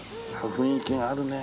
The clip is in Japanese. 雰囲気があるねえ。